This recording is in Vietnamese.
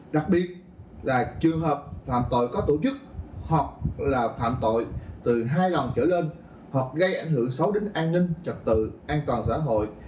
đặc biệt là trường hợp phạm tội có tổ chức hoặc là phạm tội từ hai lần trở lên hoặc gây ảnh hưởng xấu đến an ninh trật tự an toàn xã hội